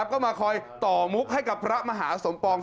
ก็มาคอยต่อมุกให้กับพระมหาสมปอง